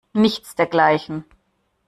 Nichts dergleichen.